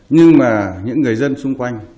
nhưng mà những người dân xung quanh